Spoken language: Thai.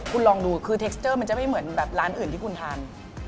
คุณลองดูคือเทคสเตอร์มันจะไม่เหมือนแบบร้านอื่นที่คุณทาน